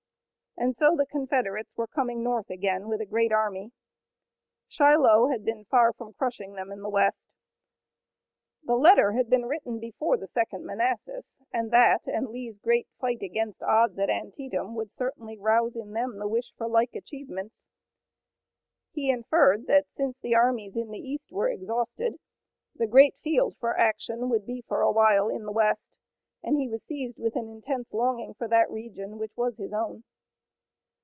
And so the Confederates were coming north again with a great army. Shiloh had been far from crushing them in the west. The letter had been written before the Second Manassas, and that and Lee's great fight against odds at Antietam would certainly arouse in them the wish for like achievements. He inferred that since the armies in the east were exhausted, the great field for action would be for a while, in the west, and he was seized with an intense longing for that region which was his own.